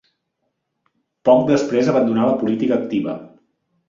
Poc després abandonà la política activa.